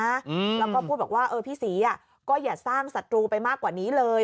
แล้วก็พูดแบบว่าพี่ศรีก็อย่าสร้างสัตว์ตรูไปมากกว่านี้เลย